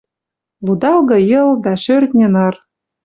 Лудалгы Йыл дӓ шӧртньӹ ныр.